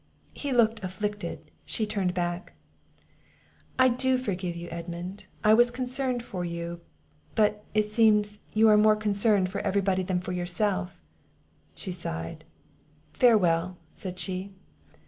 He looked afflicted; she turned back. "I do forgive you, Edmund; I was concerned for you; but, it seems, you are more concerned for every body than for yourself." She sighed; "Farewell!" said she.